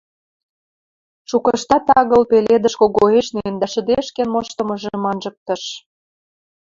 Шукыштат агыл пеледӹш когоэшнен дӓ шӹдешкен моштымыжым анжыктыш.